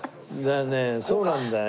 そうなんだよ。